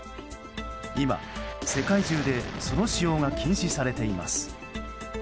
今、世界中でその使用が禁止されています。